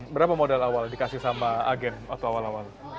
berapa modal awal dikasih sama agen waktu awal awal